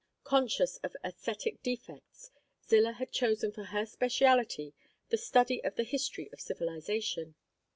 Conscious of aesthetic defects, Zillah had chosen for her speciality the study of the history of civilization.